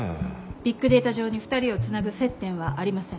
ビッグデータ上に２人をつなぐ接点はありません。